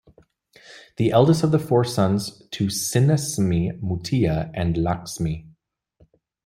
The eldest of the four sons to Sinnasamy Muttiah and Lakshmi.